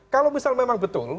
kalau misal memang betul